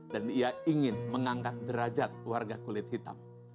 dan ia ingin mengangkat derajat warga kulit hitam